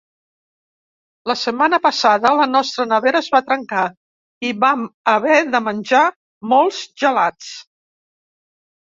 La setmana passada la nostra nevera es va trencar i vam haver de menjar molts gelats.